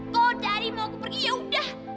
kalau dadi mau aku pergi ya udah